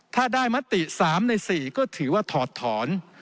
ถ้าได้มติ๓ใน๔ก็ถือว่าถอดถอน